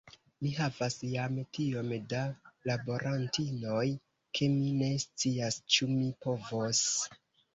Mi havas jam tiom da laborantinoj, ke mi ne scias, ĉu mi povos.